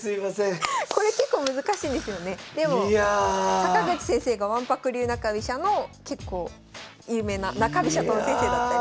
阪口先生がわんぱく流中飛車の結構有名な中飛車党の先生だったり。